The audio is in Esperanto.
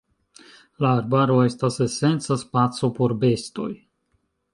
La arbaro estas esenca spaco por bestoj.